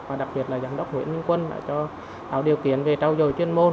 và đặc biệt là giám đốc nguyễn minh quân đã cho tạo điều kiện về trao dồi chuyên môn